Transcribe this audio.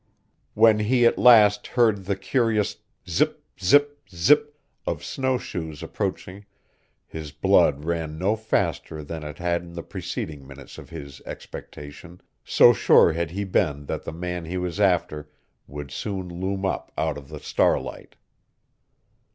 When he at last heard the curious ZIP ZIP ZIP of snowshoes approaching his blood ran no faster than it had in the preceding minutes of his expectation, so sure had he been that the man he was after would soon loom up out of the starlight.